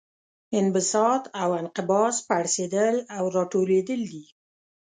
انبساط او انقباض پړسیدل او راټولیدل دي.